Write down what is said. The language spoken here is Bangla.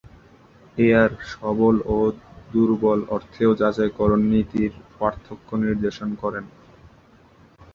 এয়ার "সবল" ও "দুর্বল" অর্থেও যাচাইকরণ নীতির পার্থক্য নির্দেশ করেন।